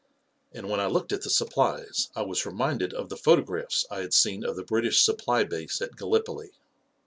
And when I looked at the supplies, I was reminded of the photographs I had seen of the British supply base at Gallipoli.